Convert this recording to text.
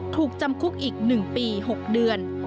ถูกจำคุกอีก๑ปี๖เดือน